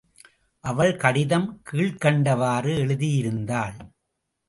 அவள் கடிதம் கீழ்க்கண்டவாறு எழுதியிருந்தாள்.